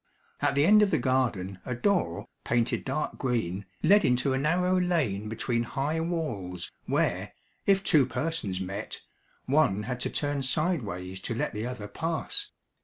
At the end of the garden a door, painted dark green, led into a narrow lane between high walls, where, if two persons met, one had to turn sideways to let the other pass.